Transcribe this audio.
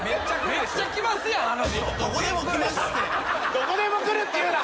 どこでも来るって言うな。